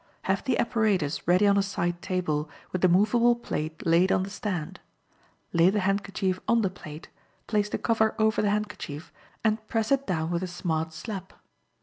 Have the apparatus ready on a side table, with the movable plate laid on the stand, Lay the handkerchief on the plate, place the cover over the handkerchief, and press it down with a smart slap.